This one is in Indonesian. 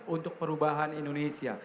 untuk perubahan indonesia